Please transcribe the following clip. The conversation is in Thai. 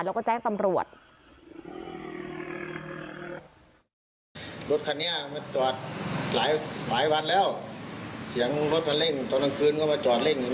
แล้วก็แจ้งตำรวจ